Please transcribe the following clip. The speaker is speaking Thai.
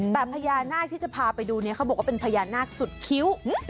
แต่พญานาคที่จะพาไปดูเนี่ยเขาบอกว่าเป็นพญานาคสุดคิ้ว